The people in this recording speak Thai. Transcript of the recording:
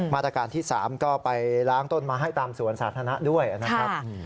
มาตรการที่๓ก็ไปล้างต้นมาให้ตามสวนสาธารณะด้วยนะครับ